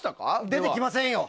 出てきませんよ。